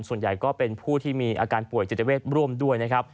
ส่วนใหญ่ก็เป็นผู้ที่มีอาการป่วยจิตเวทร่วมด้วยนะครับ